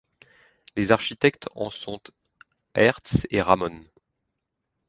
Les architectes en sont Aerts et Ramon.